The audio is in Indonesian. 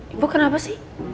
ibu kenapa sih